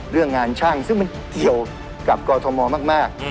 เรื่องงานช่างซึ่งมันเกี่ยวกับกรทมมาก